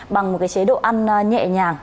bằng một cái chế độ ăn nhẹ nhàng